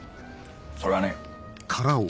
それはね。